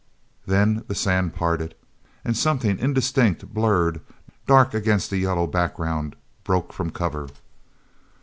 Then the sand parted, and something, indistinct, blurred, dark against the yellow background, broke from cover.